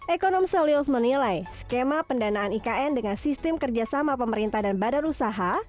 ekonom selios menilai skema pendanaan ikn dengan sistem kerjasama pemerintah dan badan usaha